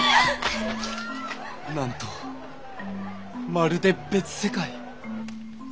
なんとまるで別世界。